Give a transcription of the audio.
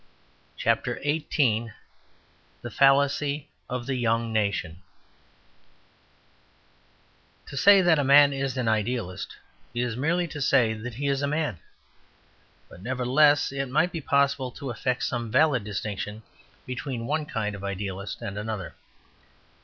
XVIII The Fallacy of the Young Nation To say that a man is an idealist is merely to say that he is a man; but, nevertheless, it might be possible to effect some valid distinction between one kind of idealist and another.